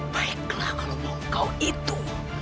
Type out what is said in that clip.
baiklah kalau mau kau itu